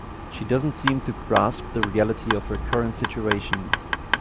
She doesn't seem to grasp the reality of her current situation.